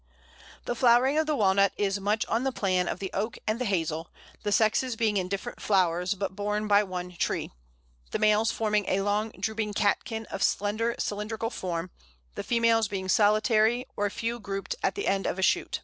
] The flowering of the Walnut is much on the plan of the Oak and the Hazel, the sexes being in different flowers, but borne by one tree; the males forming a long drooping catkin of slender cylindrical form, the females being solitary, or a few grouped at the end of a shoot.